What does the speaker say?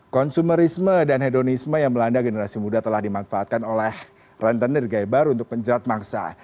konsumerisme dan hedonisme yang melanda generasi muda telah dimanfaatkan oleh rentenir gaya baru untuk penjerat mangsa